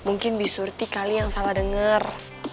mungkin bi surti kali yang salah denger